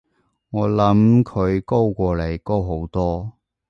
我諗佢高過你，高好多